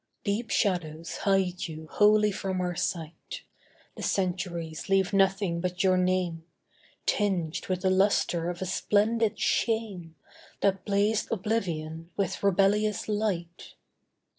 Deep shadows hide you wholly from our sight; The centuries leave nothing but your name, Tinged with the lustre of a splendid shame, That blazed oblivion with rebellious light.